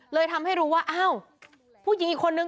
เลยทำให้รู้ว่าอ้าวผู้หญิงอีกคนนึง